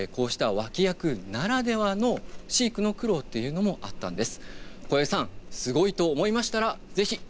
ただ、こうした脇役ならではの飼育の苦労というのもあったんです。